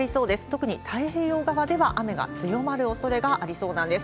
特に太平洋側では雨が強まるおそれがありそうなんです。